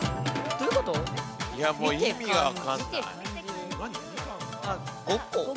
いやもう意味分かんない。